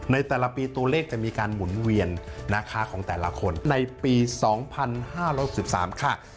ในแต่ละปีตัวเลขจะมีการหมุนเวียนนะคะของแต่ละคนในปี๒๕๖๓ค่ะ